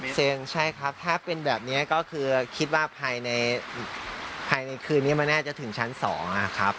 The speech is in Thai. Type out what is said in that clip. เซ็นใช่ครับถ้าเป็นแบบนี้ก็คือคิดว่าภายในคืนนี้มันน่าจะถึงชั้น๒นะครับ